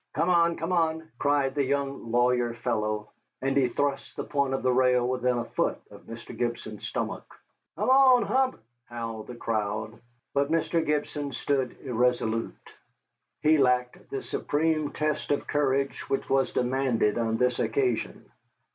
"Come on, come on!" cried the young lawyer fellow, and he thrust the point of the rail within a foot of Mr. Gibson's stomach. "Come on, Hump!" howled the crowd, but Mr. Gibson stood irresolute. He lacked the supreme test of courage which was demanded on this occasion.